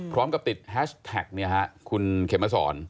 พร้อมกับติดแฮชแท็กคุณเขมสอน